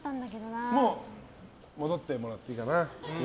もう戻ってもらっていいかな。